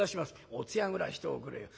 「お通夜ぐらいしておくれよ」。